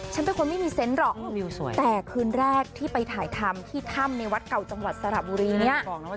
ฉันเป็นคนไม่มีเซนต์หรอกแต่คืนแรกที่ไปถ่ายทำที่ถ้ำในวัดเก่าจังหวัดสระบุรีเนี่ย